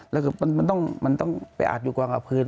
มันอาจไปอาจอยู่กว้างกับพื้น